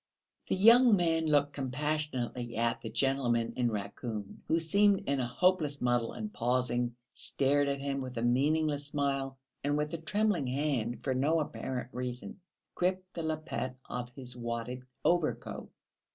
The young man looked compassionately at the gentleman in raccoon, who seemed in a hopeless muddle and pausing, stared at him with a meaningless smile and with a trembling hand for no apparent reason gripped the lappet of his wadded overcoat.